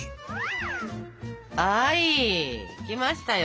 はいできましたよ。